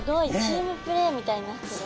チームプレーみたいになってる。